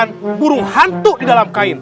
tunggu dulu pak